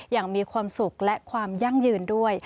อย่างมีความสุขและความยั่งยืนด้วย